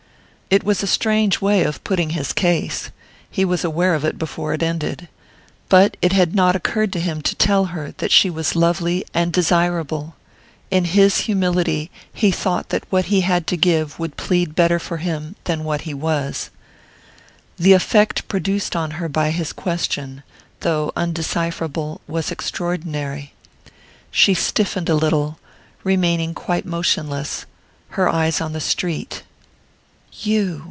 It was a strange way of putting his case: he was aware of it before he ended. But it had not occurred to him to tell her that she was lovely and desirable in his humility he thought that what he had to give would plead for him better than what he was. The effect produced on her by his question, though undecipherable, was extraordinary. She stiffened a little, remaining quite motionless, her eyes on the street. "_You!